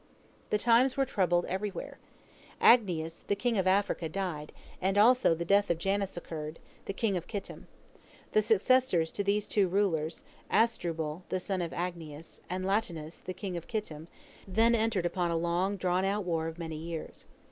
The times were troubled everywhere. Agnias, the king of Africa, died, and also the death of Janus occurred, the king of Kittim. The successors to these two rulers, Asdrubal, the son of Agnias, and Latinus, the king of Kittim, then entered upon a long drawn out war of many years.